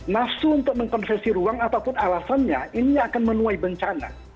nafsu untuk mengkonversi ruang ataupun alasannya ini akan menuai bencana